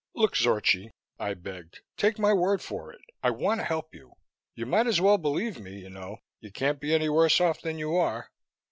"Look, Zorchi," I begged, "take my word for it I want to help you. You might as well believe me, you know. You can't be any worse off than you are."